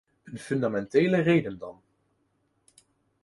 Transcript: Een fundamentele reden dan.